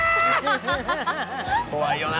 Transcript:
怖いよな。